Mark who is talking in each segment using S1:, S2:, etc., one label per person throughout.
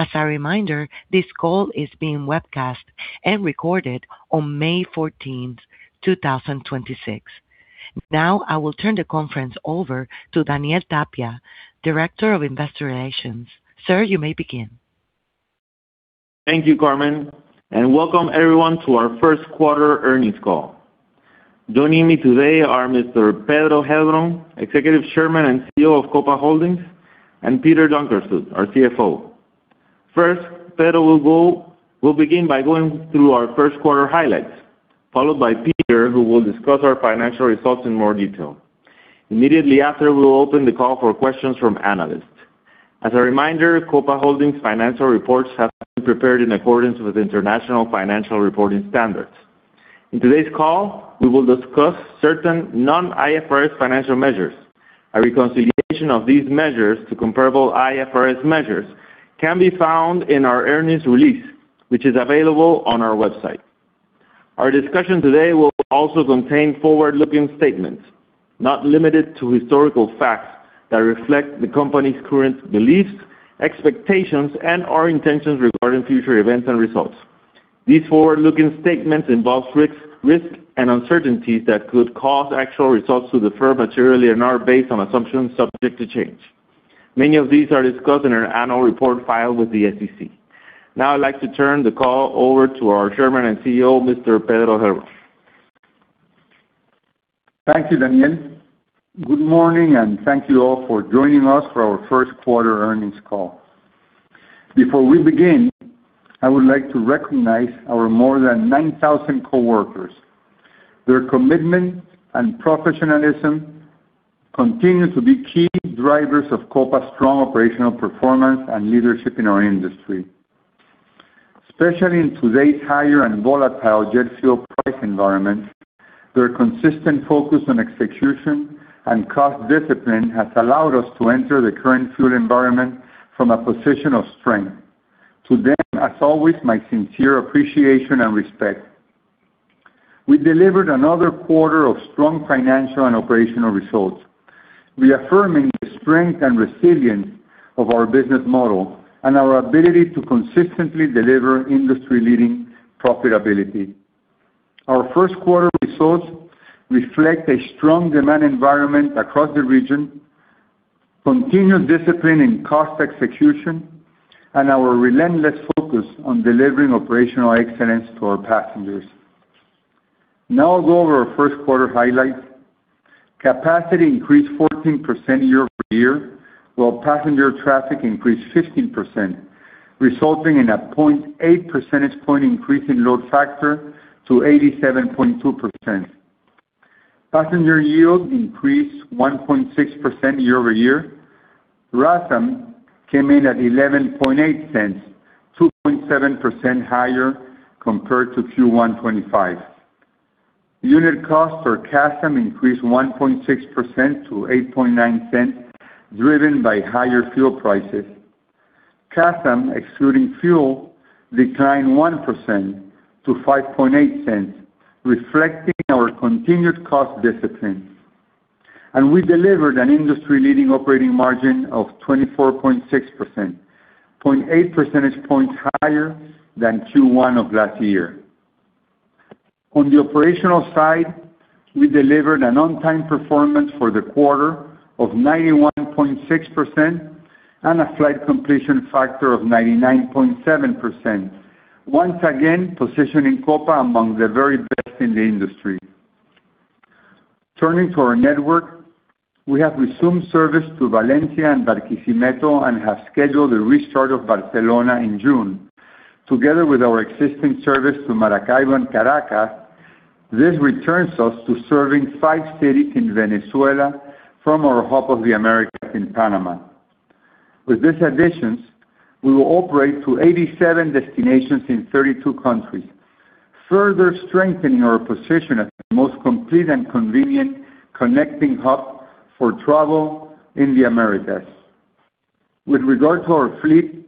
S1: As a reminder, this call is being webcast and recorded on May 14th, 2026. Now, I will turn the conference over to Daniel Tapia, Director of Investor Relations. Sir, you may begin.
S2: Thank you, Carmen. Welcome everyone to our first quarter earnings call. Joining me today are Mr. Pedro Heilbron, Executive Chairman and CEO of Copa Holdings, and Peter Donkersloot, our CFO. First, Pedro will begin by going through our first quarter highlights, followed by Peter, who will discuss our financial results in more detail. Immediately after, we'll open the call for questions from analysts. As a reminder, Copa Holdings financial reports have been prepared in accordance with International Financial Reporting Standards. In today's call, we will discuss certain non-IFRS financial measures. A reconciliation of these measures to comparable IFRS measures can be found in our earnings release, which is available on our website. Our discussion today will also contain forward-looking statements, not limited to historical facts, that reflect the company's current beliefs, expectations, and our intentions regarding future events and results. These forward-looking statements involve risks and uncertainties that could cause actual results to differ materially and are based on assumptions subject to change. Many of these are discussed in our annual report filed with the SEC. I'd like to turn the call over to our Chairman and CEO, Mr. Pedro Heilbron.
S3: Thank you, Daniel. Good morning, and thank you all for joining us for our first quarter earnings call. Before we begin, I would like to recognize our more than 9,000 coworkers. Their commitment and professionalism continue to be key drivers of Copa's strong operational performance and leadership in our industry. Especially in today's higher and volatile jet fuel price environment, their consistent focus on execution and cost discipline has allowed us to enter the current fuel environment from a position of strength. To them, as always, my sincere appreciation and respect. We delivered another quarter of strong financial and operational results, reaffirming the strength and resilience of our business model and our ability to consistently deliver industry-leading profitability. Our first quarter results reflect a strong demand environment across the region, continued discipline in cost execution, and our relentless focus on delivering operational excellence to our passengers. Now I'll go over our first quarter highlights. Capacity increased 14% year-over-year, while passenger traffic increased 15%, resulting in a 0.8 percentage point increase in load factor to 87.2%. Passenger yield increased 1.6% year-over-year. RASM came in at $0.118, 2.7% higher compared to Q1 2025. Unit cost for CASM increased 1.6% to $0.089, driven by higher fuel prices. CASM excluding fuel, declined 1% to $0.058, reflecting our continued cost discipline. We delivered an industry-leading operating margin of 24.6%, 0.8 percentage points higher than Q1 of last year. On the operational side, we delivered an on-time performance for the quarter of 91.6% and a flight completion factor of 99.7%, once again, positioning Copa among the very best in the industry. Turning to our network, we have resumed service to Valencia and Barquisimeto and have scheduled the restart of Barcelona in June. Together with our existing service to Maracaibo and Caracas, this returns us to serving five cities in Venezuela from our Hub of the Americas in Panama. With these additions, we will operate to 87 destinations in 32 countries, further strengthening our position as the most complete and convenient connecting hub for travel in the Americas. With regard to our fleet,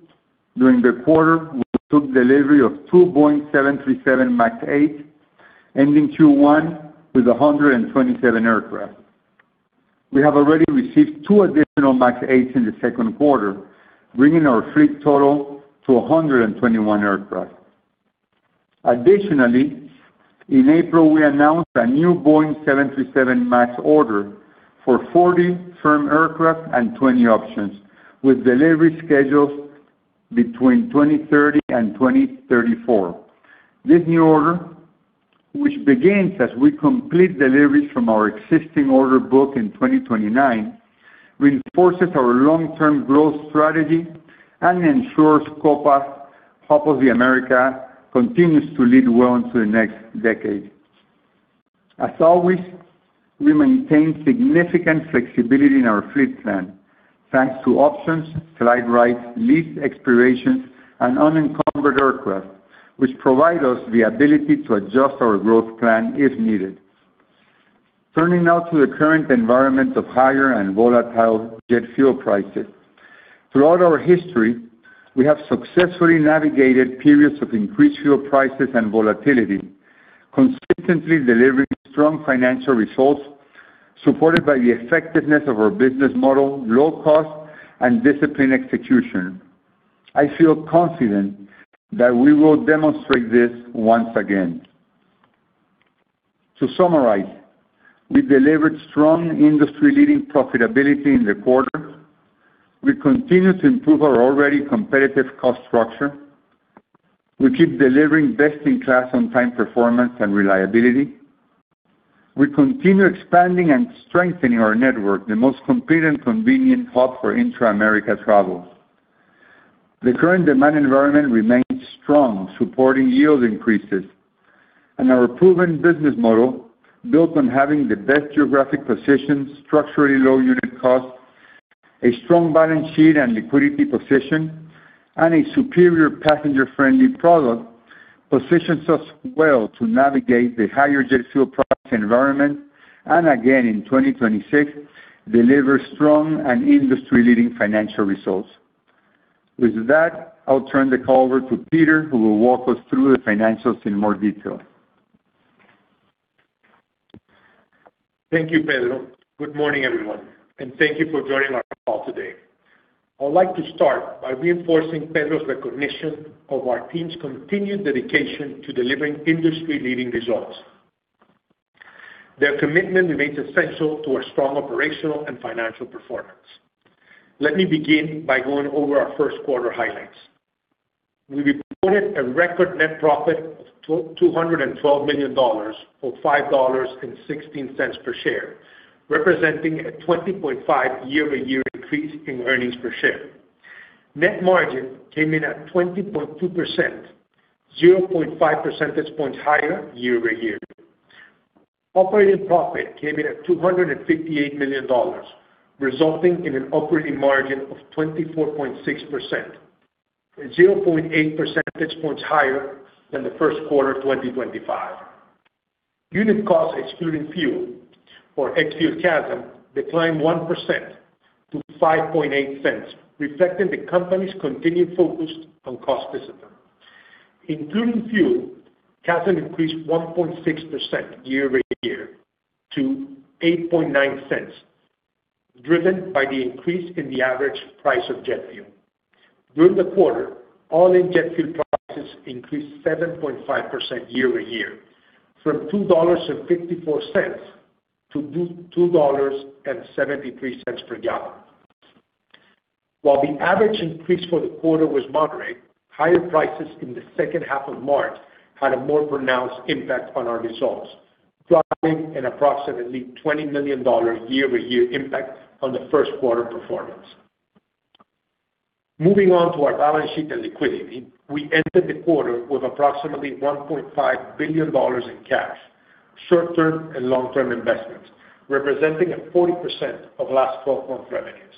S3: during the quarter, we took delivery of two Boeing 737 MAX 8, ending Q1 with 127 aircraft. We have already received two additional MAX 8s in the second quarter, bringing our fleet total to 121 aircraft. Additionally, in April, we announced a new Boeing 737 MAX order for 40 firm aircraft and 20 options, with delivery schedules between 2030 and 2034. This new order, which begins as we complete deliveries from our existing order book in 2029, reinforces our long-term growth strategy and ensures Copa Hub of the Americas continues to lead well into the next decade. As always, we maintain significant flexibility in our fleet plan, thanks to options, slide rights, lease expirations, and unencumbered aircraft, which provide us the ability to adjust our growth plan if needed. Turning now to the current environment of higher and volatile jet fuel prices. Throughout our history, we have successfully navigated periods of increased fuel prices and volatility, consistently delivering strong financial results. Supported by the effectiveness of our business model, low cost, and disciplined execution. I feel confident that we will demonstrate this once again. To summarize, we delivered strong industry-leading profitability in the quarter. We continue to improve our already competitive cost structure. We keep delivering best-in-class on-time performance and reliability. We continue expanding and strengthening our network, the most complete and convenient hub for Intra-America travel. The current demand environment remains strong, supporting yield increases, and our proven business model built on having the best geographic position, structurally low unit cost, a strong balance sheet and liquidity position, and a superior passenger-friendly product positions us well to navigate the higher jet fuel price environment, and again, in 2026, deliver strong and industry-leading financial results. With that, I'll turn the call over to Peter, who will walk us through the financials in more detail.
S4: Thank you, Pedro. Good morning, everyone, and thank you for joining our call today. I'd like to start by reinforcing Pedro's recognition of our team's continued dedication to delivering industry-leading results. Their commitment remains essential to our strong operational and financial performance. Let me begin by going over our first quarter highlights. We reported a record net profit of $212 million, or $5.16 per share, representing a 20.5% year-over-year increase in earnings per share. Net margin came in at 20.2%, 0.5 percentage points higher year-over-year. Operating profit came in at $258 million, resulting in an operating margin of 24.6% and 0.8 percentage points higher than the first quarter of 2025. Unit costs excluding fuel or ex-fuel CASM declined 1% to $0.058, reflecting the company's continued focus on cost discipline. Including fuel, CASM increased 1.6% year-over-year to $0.089, driven by the increase in the average price of jet fuel. During the quarter, all-in jet fuel prices increased 7.5% year-over-year from $2.54 to $2.73 per gallon. While the average increase for the quarter was moderate, higher prices in the second half of March had a more pronounced impact on our results, driving an approximately $20 million year-over-year impact on the first quarter performance. Moving on to our balance sheet and liquidity. We ended the quarter with approximately $1.5 billion in cash, short-term, and long-term investments, representing a 40% of last 12-month revenues.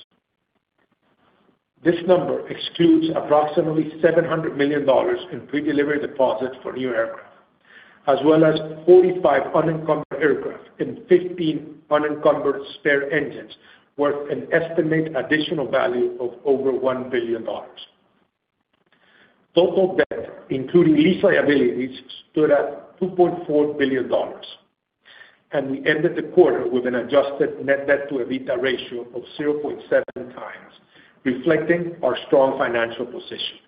S4: This number excludes approximately $700 million in pre-delivery deposits for new aircraft, as well as 45 unencumbered aircraft and 15 unencumbered spare engines, worth an estimated additional value of over $1 billion. Total debt, including lease liabilities, stood at $2.4 billion, and we ended the quarter with an adjusted net debt to EBITDA ratio of 0.7x, reflecting our strong financial position.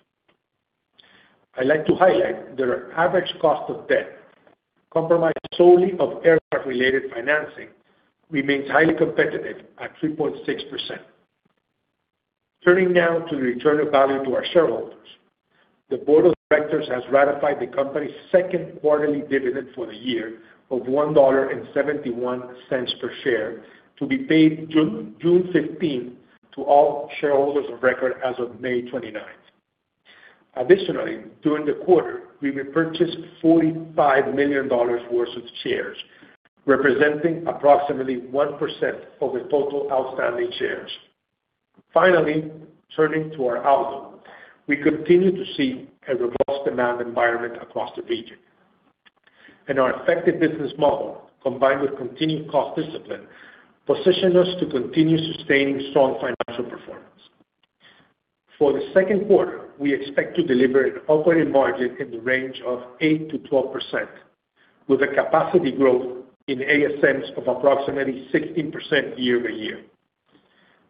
S4: I'd like to highlight that our average cost of debt, comprised solely of aircraft-related financing, remains highly competitive at 3.6%. Turning now to the return of value to our shareholders. The board of directors has ratified the company's second quarterly dividend for the year of $1.71 per share to be paid June 15th to all shareholders of record as of May 29th. Additionally, during the quarter, we repurchased $45 million worth of shares, representing approximately 1% of the total outstanding shares. Finally, turning to our outlook. We continue to see a robust demand environment across the region, and our effective business model, combined with continued cost discipline, position us to continue sustaining strong financial performance. For the second quarter, we expect to deliver an operating margin in the range of 8%-12%, with a capacity growth in ASMs of approximately 16% year-over-year.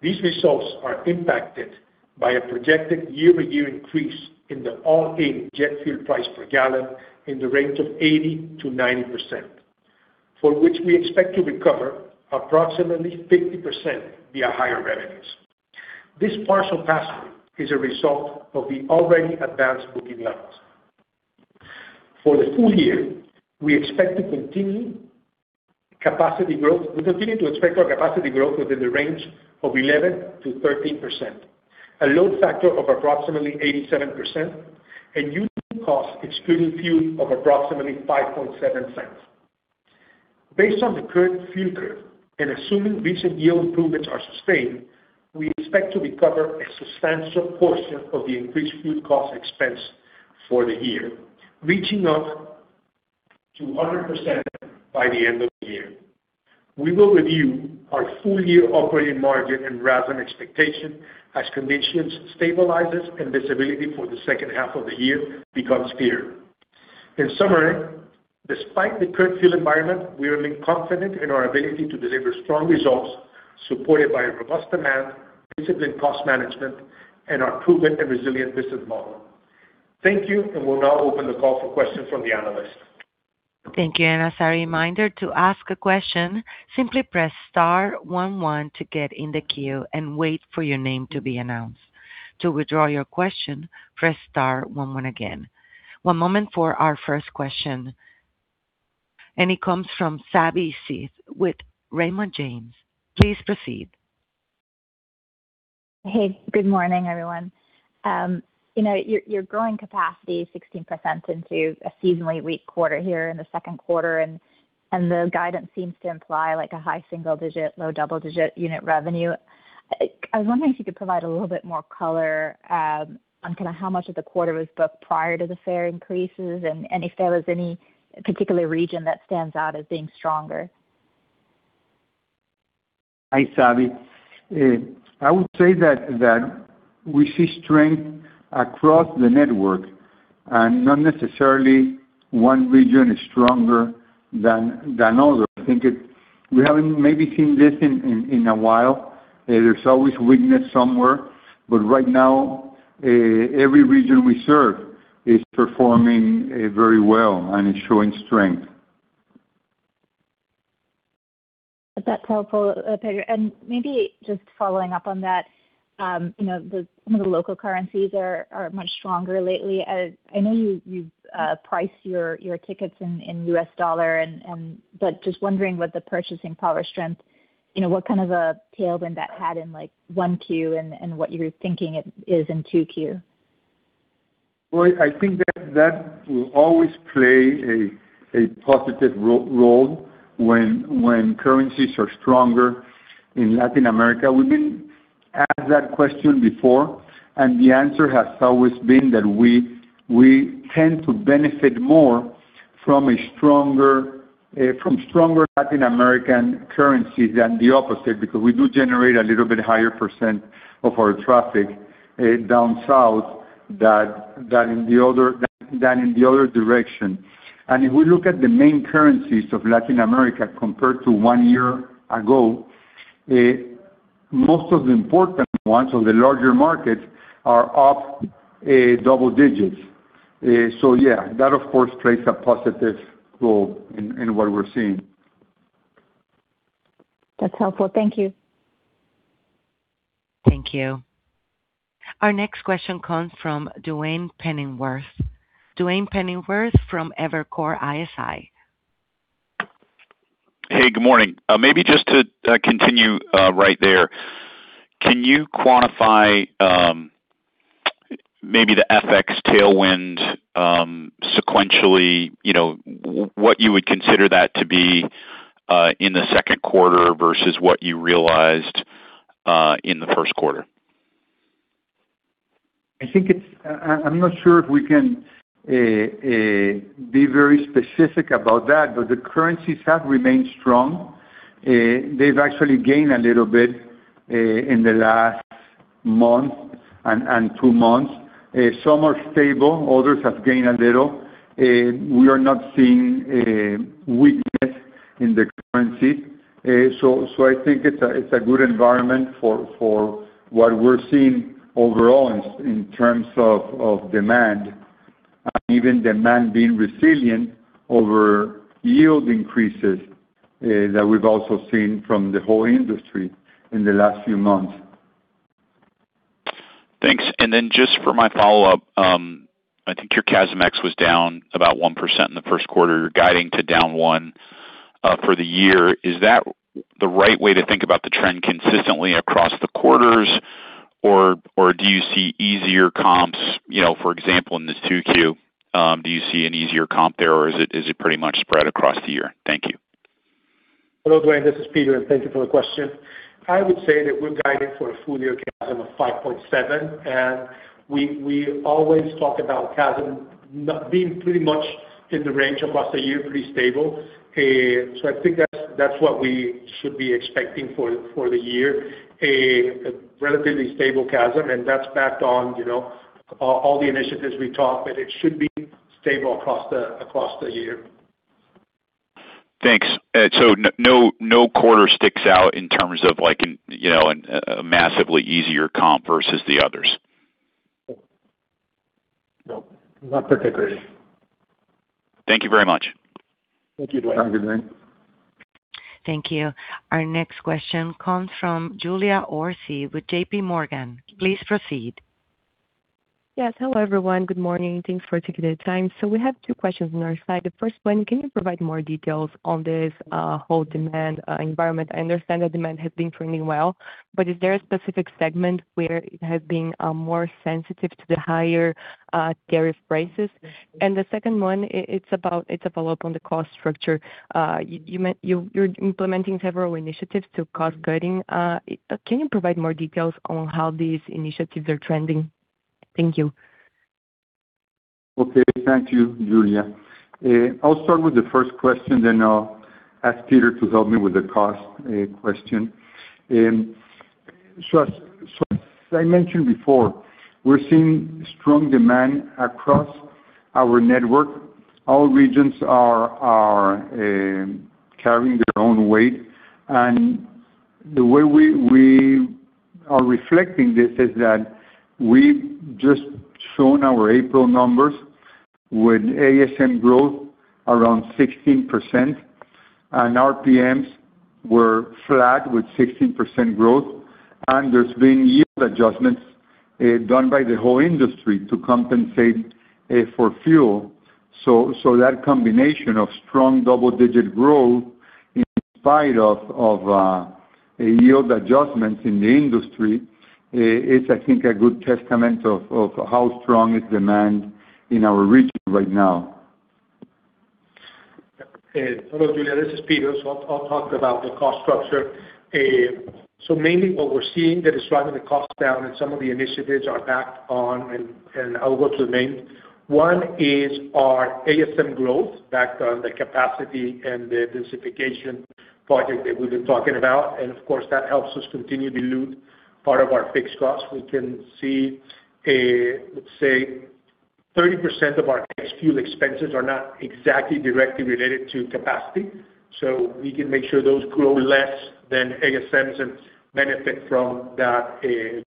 S4: These results are impacted by a projected year-over-year increase in the all-in jet fuel price per gallon in the range of 80%-90%, for which we expect to recover approximately 50% via higher revenues. This partial pass-through is a result of the already advanced booking levels. For the full year, we continue to expect our capacity growth within the range of 11%-13%, a load factor of approximately 87%, and unit cost excluding fuel of approximately $0.057. Based on the current fuel curve and assuming recent yield improvements are sustained, we expect to recover a substantial portion of the increased fuel cost expense for the year, reaching up to 100% by the end of the year. We will review our full-year operating margin and RASM expectation as conditions stabilize and visibility for the second half of the year becomes clearer. In summary, despite the current fuel environment, we remain confident in our ability to deliver strong results supported by robust demand, disciplined cost management, and our proven and resilient business model. Thank you. We'll now open the call for questions from the analysts.
S1: Thank you. As a reminder, to ask a question, simply press star one one to get in the queue and wait for your name to be announced. To withdraw your question, press star one one again. One moment for our first question, and it comes from Savi Syth with Raymond James. Please proceed.
S5: Hey, good morning, everyone. you know, you're growing capacity 16% into a seasonally weak quarter here in the second quarter, and the guidance seems to imply like a high single-digit, low double-digit unit revenue. I was wondering if you could provide a little bit more color, on kinda how much of the quarter was booked prior to the fare increases and if there was any particular region that stands out as being stronger?
S3: Hi, Savi. I would say that we see strength across the network and not necessarily one region is stronger than other. I think we haven't maybe seen this in a while. There's always weakness somewhere, but right now, every region we serve is performing very well and is showing strength.
S5: That's helpful, Pedro. Maybe just following up on that, you know, some of the local currencies are much stronger lately. I know you price your tickets in US dollar. Just wondering what the purchasing power strength, you know, what kind of a tailwind that had in like 1Q and what you're thinking it is in 2Q.
S3: I think that that will always play a positive role when currencies are stronger in Latin America. We've been asked that question before, and the answer has always been that we tend to benefit more from a stronger, from stronger Latin American currencies than the opposite because we do generate a little bit higher percent of our traffic down south than in the other direction. If we look at the main currencies of Latin America compared to one year ago, most of the important ones or the larger markets are up double digits. Yeah, that of course plays a positive role in what we're seeing.
S5: That's helpful. Thank you.
S1: Thank you. Our next question comes from Duane Pfennigwerth. Duane Pfennigwerth from Evercore ISI.
S6: Hey, good morning. Maybe just to continue right there. Can you quantify maybe the FX tailwind sequentially, you know, what you would consider that to be in the second quarter versus what you realized in the first quarter?
S3: I'm not sure if we can be very specific about that, but the currencies have remained strong. They've actually gained a little bit in the last month and two months. Some are stable, others have gained a little. We are not seeing a weakness in the currency. I think it's a good environment for what we're seeing overall in terms of demand and even demand being resilient over yield increases that we've also seen from the whole industry in the last few months.
S6: Thanks. Then just for my follow-up, I think your CASM ex was down about 1% in the first quarter. You're guiding to down 1% for the year. Is that the right way to think about the trend consistently across the quarters, or do you see easier comps, you know, for example, in this 2Q, do you see an easier comp there, or is it pretty much spread across the year? Thank you.
S4: Hello, Duane. This is Peter. Thank you for the question. I would say that we're guiding for a full year CASM of 5.7%. We always talk about CASM being pretty much in the range across the year, pretty stable. I think that's what we should be expecting for the year, a relatively stable CASM. That's backed on, you know, all the initiatives we talked, but it should be stable across the year.
S6: Thanks. No, no quarter sticks out in terms of like an, you know, a massively easier comp versus the others?
S4: No. Not particularly.
S6: Thank you very much.
S4: Thank you, Duane.
S3: Thank you, Duane.
S1: Thank you. Our next question comes from Julia Orsi with JPMorgan. Please proceed.
S7: Yes. Hello, everyone. Good morning. Thanks for taking the time. We have two questions on our side. The first one, can you provide more details on this whole demand environment? I understand that demand has been trending well, but is there a specific segment where it has been more sensitive to the higher tariff prices? The second one, it's a follow-up on the cost structure. You're implementing several initiatives to cost cutting. Can you provide more details on how these initiatives are trending? Thank you.
S3: Okay. Thank you, Julia. I'll start with the first question then I'll ask Peter to help me with the cost question. As I mentioned before, we're seeing strong demand across our network. All regions are carrying their own weight. The way we are reflecting this is that we've just shown our April numbers with ASM growth around 16%, and RPMs were flat with 16% growth. There's been yield adjustments done by the whole industry to compensate for fuel. That combination of strong double-digit growth in spite of a yield adjustments in the industry is I think a good testament of how strong is demand in our region right now.
S4: Hello, Julia. This is Peter. I'll talk about the cost structure. Mainly what we're seeing that is driving the cost down and some of the initiatives are backed on, and I'll go to the main. One is our ASM growth backed on the capacity and the densification project that we've been talking about. Of course, that helps us continue to dilute part of our fixed costs. We can see, let's say 30% of our fixed fuel expenses are not exactly directly related to capacity. We can make sure those grow less than ASMs and benefit from that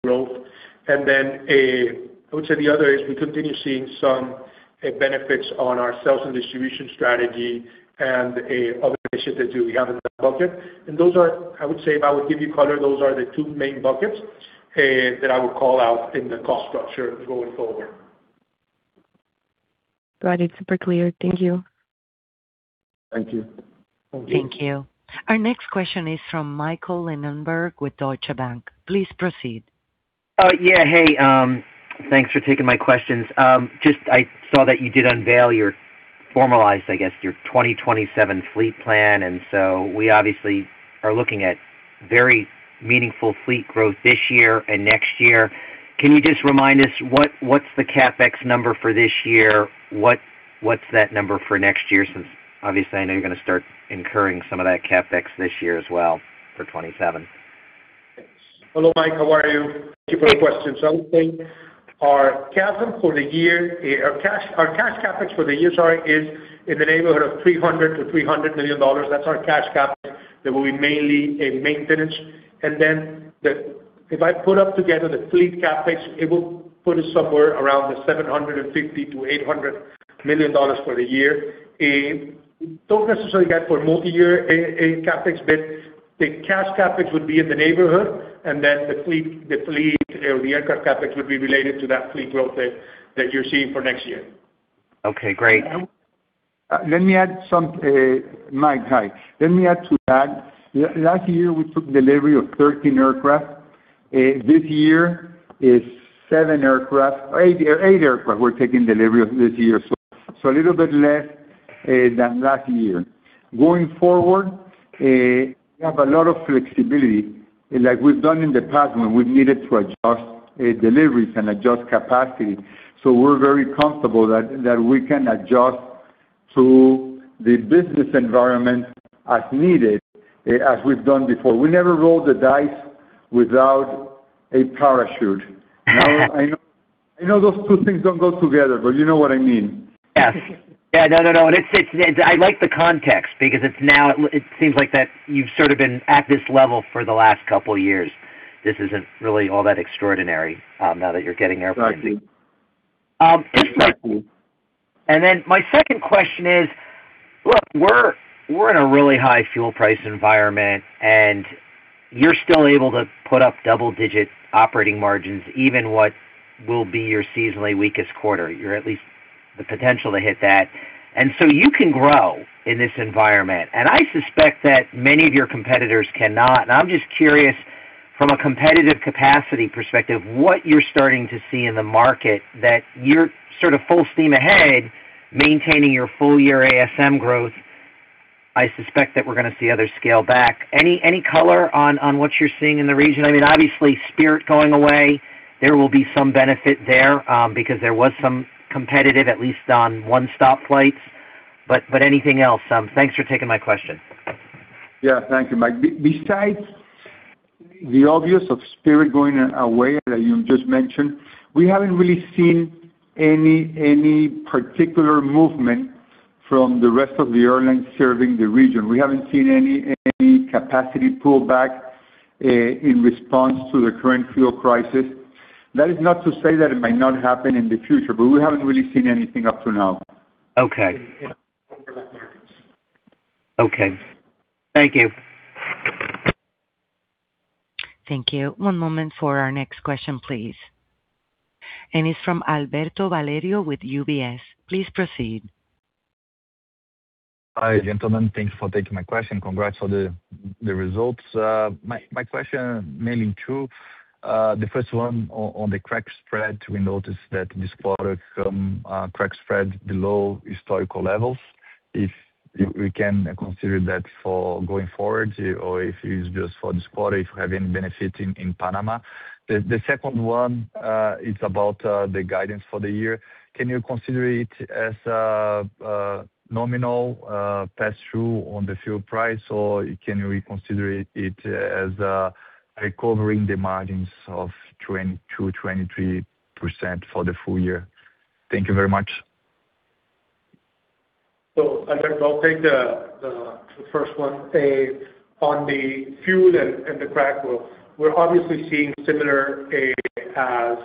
S4: growth. I would say the other is we continue seeing some benefits on our sales and distribution strategy and other initiatives that we have in the bucket. Those are I would say, if I would give you color, those are the two main buckets, that I would call out in the cost structure going forward.
S7: Got it. Super clear. Thank you.
S4: Thank you.
S3: Thank you.
S1: Thank you. Our next question is from Michael Linenberg with Deutsche Bank. Please proceed.
S8: Yeah. Hey, thanks for taking my questions. Just I saw that you did unveil your formalized, I guess, your 2027 fleet plan. We obviously are looking at very meaningful fleet growth this year and next year. Can you just remind us what's the CapEx number for this year? What's that number for next year, since obviously I know you're gonna start incurring some of that CapEx this year as well for 2027.
S4: Hello, Mike. How are you? Thank you for the question. I would say our CapEx for the year, our cash, our cash CapEx for the year, sorry, is in the neighborhood of $300 million-$300 million. That's our cash CapEx. That will be mainly a maintenance. If I put up together the fleet CapEx, it will put us somewhere around $750 million-$800 million for the year. Don't necessarily guide for multi-year CapEx, but the cash CapEx would be in the neighborhood, and then the fleet or the aircraft CapEx would be related to that fleet growth that you're seeing for next year.
S8: Okay, great.
S3: Let me add some, Mike, hi. Let me add to that. Last year, we took delivery of 13 aircraft. This year is seven aircraft, or eight aircraft we're taking delivery of this year. A little bit less than last year. Going forward, we have a lot of flexibility, like we've done in the past when we've needed to adjust deliveries and adjust capacity. We're very comfortable that we can adjust to the business environment as needed, as we've done before. We never roll the dice without a parachute. I know those two things don't go together, but you know what I mean.
S8: Yes. Yeah. No. I like the context because it seems like that you've sort of been at this level for the last couple years. This isn't really all that extraordinary, now that you're getting there.
S3: Exactly.
S8: My second question is, look, we're in a really high fuel price environment, you're still able to put up double-digit operating margins, even what will be your seasonally weakest quarter. You're at least the potential to hit that. You can grow in this environment. I suspect that many of your competitors cannot. I'm just curious from a competitive capacity perspective, what you're starting to see in the market that you're sort of full steam ahead maintaining your full year ASM growth. I suspect that we're gonna see others scale back. Any color on what you're seeing in the region? I mean, obviously, Spirit going away, there will be some benefit there, because there was some competitive, at least on one-stop flights. But anything else? Thanks for taking my question.
S3: Yeah. Thank you, Mike. Besides the obvious of Spirit going away that you just mentioned, we haven't really seen any particular movement from the rest of the airlines serving the region. We haven't seen any capacity pullback in response to the current fuel crisis. That is not to say that it might not happen in the future, we haven't really seen anything up to now.
S8: Okay. Okay. Thank you.
S1: Thank you. One moment for our next question, please. It's from Alberto Valerio with UBS. Please proceed.
S9: Hi, gentlemen. Thanks for taking my question. Congrats on the results. My question mainly two. The first one on the crack spread. We noticed that this quarter come crack spread below historical levels. If we can consider that for going forward or if it is just for this quarter, if you have any benefit in Panama. The second one is about the guidance for the year. Can you consider it as nominal pass-through on the fuel price? Can we consider it as recovering the margins of 20%-23% for the full year? Thank you very much.
S4: I'll take the first one. On the fuel and the crack spread. We're obviously seeing similar as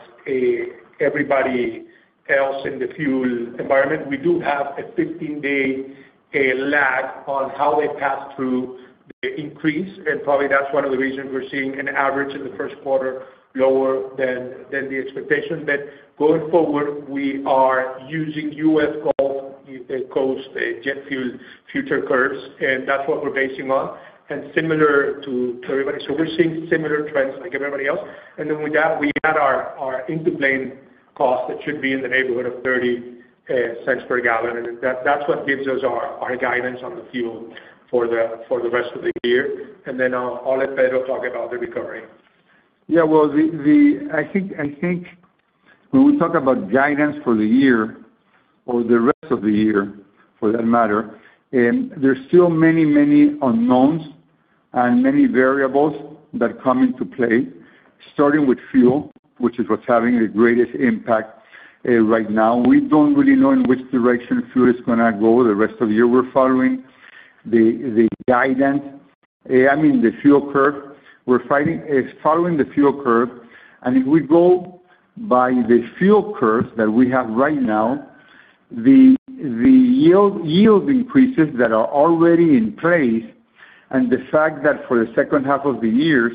S4: everybody else in the fuel environment. We do have a 15-day lag on how they pass through the increase, and probably that's one of the reasons we're seeing an average in the first quarter lower than the expectation. Going forward, we are using U.S. Gulf Coast jet fuel future curves, and that's what we're basing on and similar to everybody. We're seeing similar trends like everybody else. With that, we add our into plane cost, that should be in the neighborhood of $0.30 per gallon. That's what gives us our guidance on the fuel for the rest of the year. I'll let Pedro talk about the recovery.
S3: Well, I think when we talk about guidance for the year or the rest of the year for that matter, there's still many, many unknowns and many variables that come into play, starting with fuel, which is what's having the greatest impact right now. We don't really know in which direction fuel is going to go the rest of the year. We're following the fuel curve. If we go by the fuel curves that we have right now, the yield increases that are already in place, and the fact that for the second half of the year,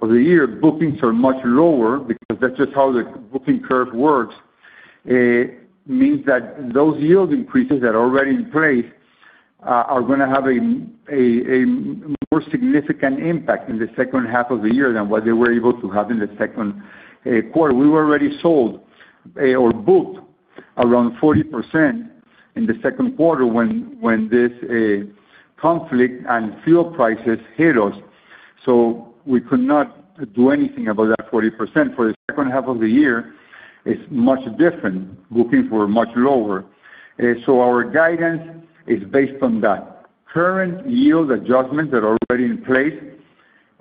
S3: bookings are much lower because that's just how the booking curve works, means that those yield increases that are already in place, are gonna have a more significant impact in the second half of the year than what they were able to have in the second quarter. We were already sold or booked around 40% in the second quarter when this conflict and fuel prices hit us. We could not do anything about that 40%. For the second half of the year, it's much different. Bookings were much lower. Our guidance is based on that. Current yield adjustments that are already in place,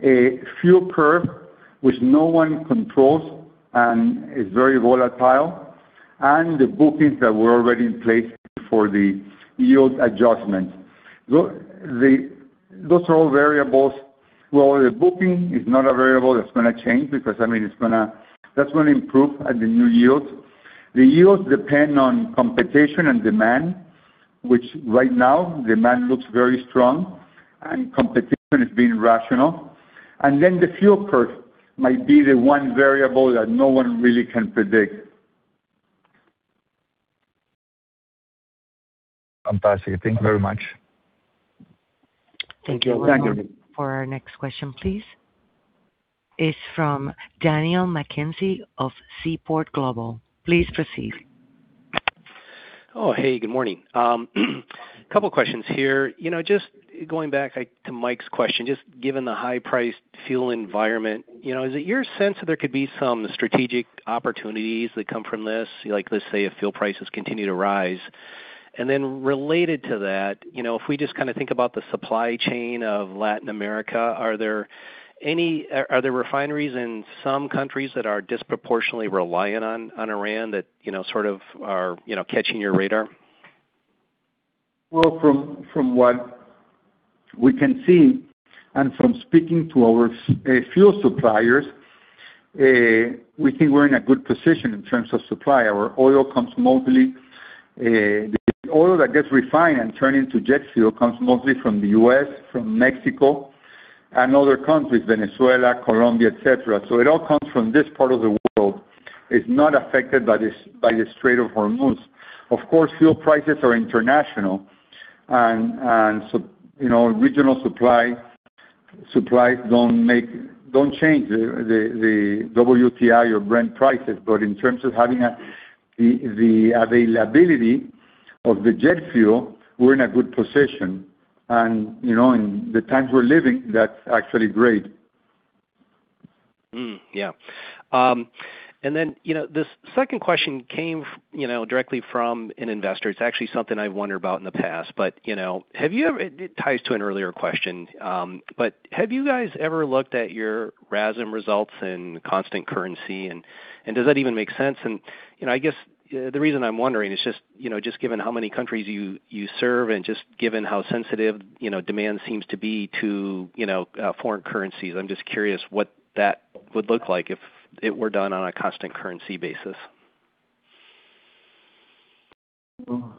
S3: a fuel curve which no one controls and is very volatile, and the bookings that were already in place for the yield adjustments. Those are all variables. Well, the booking is not a variable that's gonna change because, I mean, that's gonna improve at the new yield. The yields depend on competition and demand, which right now demand looks very strong and competition is being rational. The fuel curve might be the one variable that no one really can predict.
S9: Fantastic. Thank you very much.
S3: Thank you.
S4: Thank you.
S1: Our next question, please, is from Daniel McKenzie of Seaport Global. Please proceed.
S10: Oh, hey, good morning. Couple questions here. You know, just going back, like, to Mike's question, just given the high priced fuel environment, you know, is it your sense that there could be some strategic opportunities that come from this? Like, let's say if fuel prices continue to rise. Related to that, you know, if we just kind of think about the supply chain of Latin America, are there refineries in some countries that are disproportionately reliant on Iran that, you know, sort of are, you know, catching your radar?
S3: From what we can see and from speaking to our fuel suppliers, we think we're in a good position in terms of supply. The oil that gets refined and turned into jet fuel comes mostly from the U.S., from Mexico and other countries, Venezuela, Colombia, et cetera. It all comes from this part of the world. It's not affected by the Strait of Hormuz. Of course, fuel prices are international, you know, regional supplies don't change the WTI or Brent prices. In terms of having the availability of the jet fuel, we're in a good position. You know, in the times we're living, that's actually great.
S10: Yeah. You know, this second question came, you know, directly from an investor. It's actually something I've wondered about in the past. You know, it ties to an earlier question. Have you guys ever looked at your RASM results in constant currency? Does that even make sense? You know, I guess, the reason I'm wondering is just, you know, just given how many countries you serve, and just given how sensitive, you know, demand seems to be to, you know, foreign currencies. I'm just curious what that would look like if it were done on a constant currency basis.
S3: Well,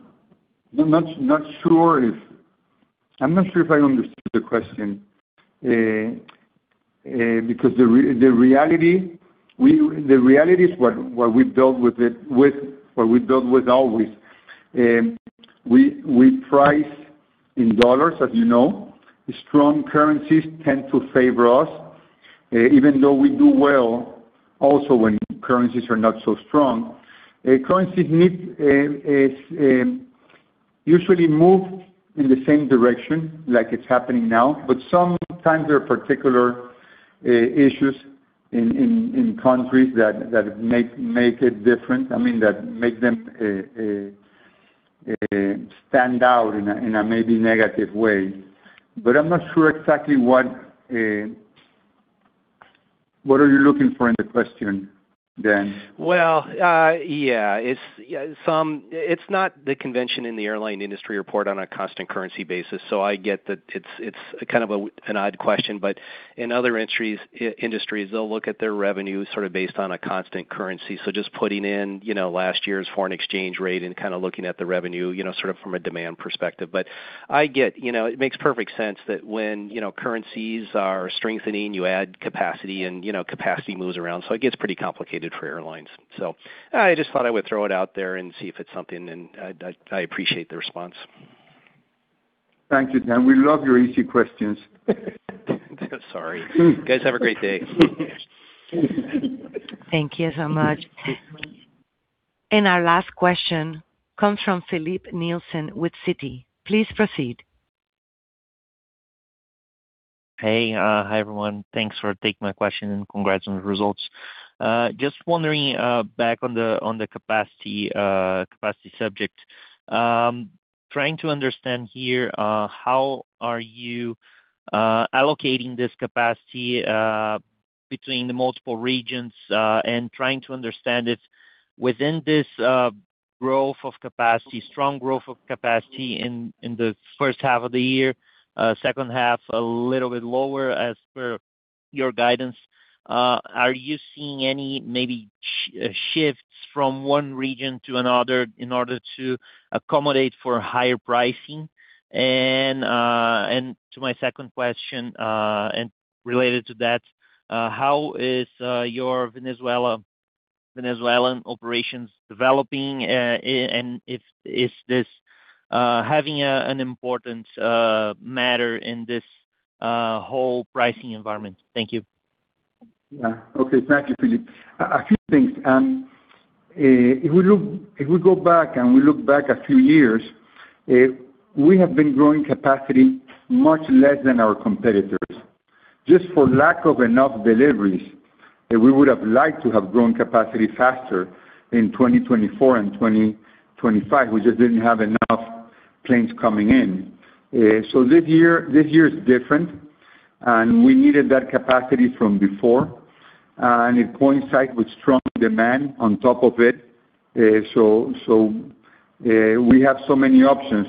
S3: I'm not sure if I understood the question. Because the reality is what we've dealt with always. We price in dollars as you know. Strong currencies tend to favor us. Even though we do well also when currencies are not so strong. Currencies need usually move in the same direction like it's happening now, but sometimes there are particular issues in countries that make it different. I mean, that make them stand out in a maybe negative way. I'm not sure exactly what are you looking for in the question, Dan.
S10: Well, yeah. It's not the convention in the airline industry report on a constant currency basis, so I get that it's kind of a, an odd question. In other industries, they'll look at their revenue sort of based on a constant currency. Just putting in, you know, last year's foreign exchange rate and kinda looking at the revenue, you know, sort of from a demand perspective. I get, you know, it makes perfect sense that when, you know, currencies are strengthening, you add capacity and, you know, capacity moves around, so it gets pretty complicated for airlines. I just thought I would throw it out there and see if it's something, and I appreciate the response.
S3: Thank you, Dan. We love your easy questions.
S10: Sorry. Guys, have a great day.
S1: Thank you so much. Our last question comes from Filipe Nielsen with Citi. Please proceed.
S11: Hey. Hi, everyone. Thanks for taking my question, and congrats on the results. Just wondering, back on the capacity subject. Trying to understand here, how are you allocating this capacity between the multiple regions, and trying to understand if within this growth of capacity, strong growth of capacity in the first half of the year, second half a little bit lower as per your guidance, are you seeing any maybe shifts from one region to another in order to accommodate for higher pricing? To my second question, and related to that, how is your Venezuela, Venezuelan operations developing, and is this having an important matter in this whole pricing environment? Thank you.
S3: Yeah. Okay. Thank you, Filipe. A few things. If we go back and we look back a few years, we have been growing capacity much less than our competitors. Just for lack of enough deliveries, that we would have liked to have grown capacity faster in 2024 and 2025. We just didn't have enough planes coming in. So this year is different, we needed that capacity from before. In hindsight with strong demand on top of it. We have so many options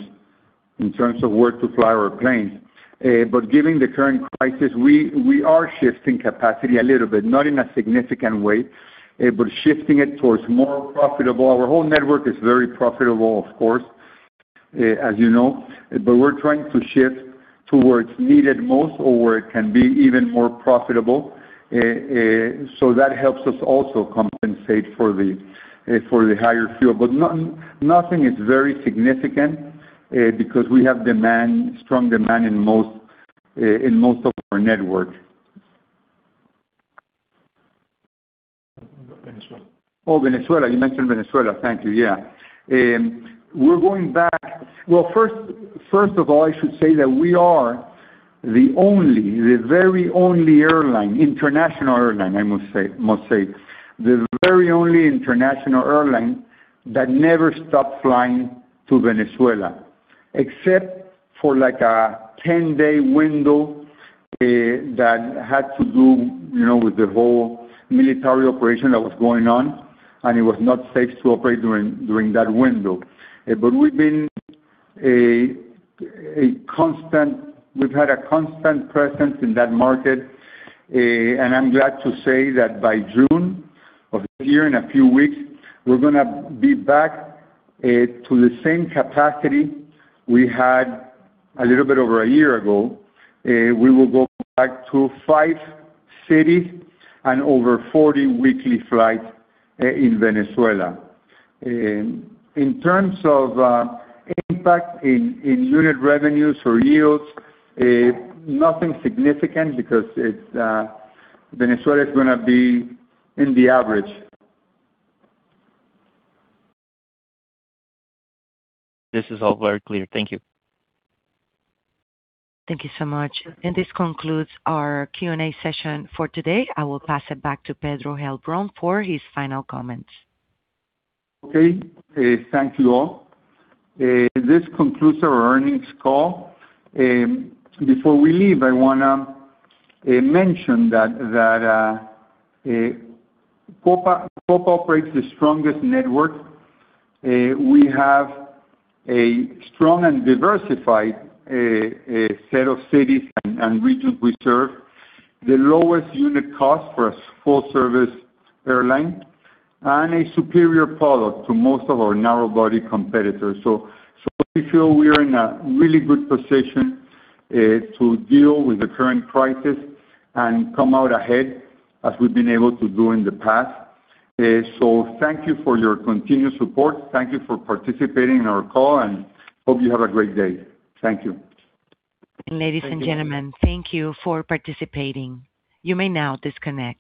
S3: in terms of where to fly our planes. Given the current crisis, we are shifting capacity a little bit, not in a significant way, shifting it towards more profitable. Our whole network is very profitable, of course, as you know. We're trying to shift to where it's needed most or where it can be even more profitable. That helps us also compensate for the higher fuel. No-nothing is very significant, because we have demand, strong demand in most, in most of our network.
S4: Venezuela.
S3: Venezuela. You mentioned Venezuela. Thank you. We're going back first of all, I should say that we are the only, the very only airline, international airline, I must say, the very only international airline that never stopped flying to Venezuela. Except for like a 10-day window, that had to do, you know, with the whole military operation that was going on, it was not safe to operate during that window. We've had a constant presence in that market. I'm glad to say that by June of this year, in a few weeks, we're going to be back to the same capacity we had a little bit over a year ago. We will go back to five cities and over 40 weekly flights in Venezuela. In terms of impact in unit revenues or yields, nothing significant because Venezuela is going to be in the average.
S11: This is all very clear. Thank you.
S1: Thank you so much. This concludes our Q&A session for today. I will pass it back to Pedro Heilbron for his final comments.
S3: Okay. Thank you all. This concludes our earnings call. Before we leave, I want to mention that Copa operates the strongest network. We have a strong and diversified set of cities and regions we serve. The lowest unit cost for a full-service airline, a superior product to most of our narrow-body competitors. We feel we are in a really good position to deal with the current crisis and come out ahead as we've been able to do in the past. Thank you for your continued support. Thank you for participating in our call, hope you have a great day. Thank you.
S1: Ladies and gentlemen.
S4: Thank you.
S1: Thank you for participating. You may now disconnect.